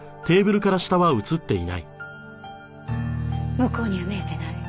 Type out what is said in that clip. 向こうには見えてない。